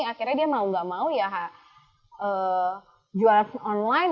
akhirnya dia mau gak mau ya jualan online